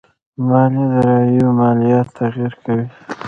مالي داراییو ماليات تغير کوي.